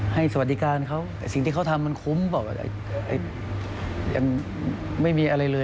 สวัสดิการเขาสิ่งที่เขาทำมันคุ้มเปล่ายังไม่มีอะไรเลย